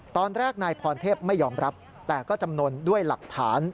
ตอนแรกนายพรเทพไม่ยอมรับแต่ก็จำนวนด้วยหลักฐาน